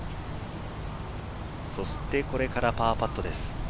これからパーパットです。